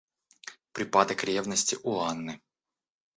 Припадок ревности у Анны.